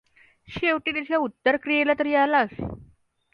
शेवटी तिच्या उत्तरक्रियेला तरी आलास.